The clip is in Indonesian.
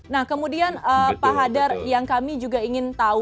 nah kemudian pak hadar yang kami juga ingin tahu